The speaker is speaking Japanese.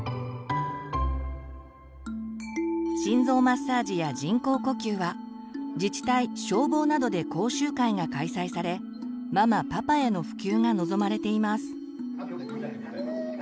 心臓マッサージや人工呼吸は自治体消防などで講習会が開催されママ・パパへの普及が望まれています。